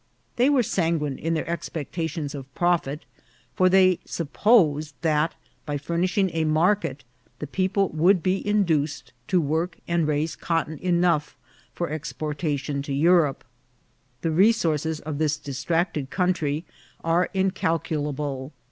They were sanguine in their expecta tions of profit; for tney supposed that, by furnishing a market; the people would be induced to work and raise cotton enough for exportation to Europe. The re sources of this distracted country are incalculable.